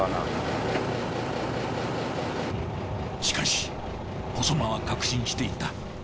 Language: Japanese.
しかし細間は確信していた。